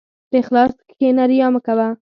په اخلاص کښېنه، ریا مه کوه.